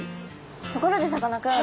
ところでさかなクン